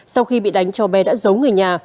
sau khi bị đánh cho bé đã giấu người nhà